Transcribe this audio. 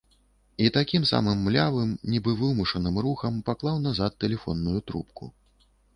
І такім самым млявым, нібы вымушаным рухам паклаў назад тэлефонную трубку.